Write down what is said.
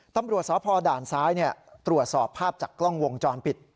ตำรวจสพด่านซ้ายตรวจสอบภาพจากกล้องวงจรปิด